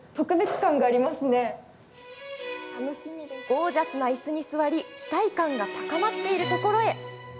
ゴージャスないすに座り期待感が高まっているところへ。